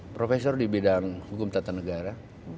profesor di bidang hukum tata negara